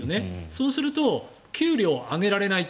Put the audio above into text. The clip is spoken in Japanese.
そうすると給料を上げられない。